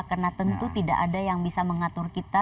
karena tentu tidak ada yang bisa mengatur kita